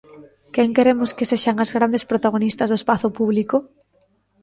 Quen queremos que sexan as grandes protagonistas do espazo público?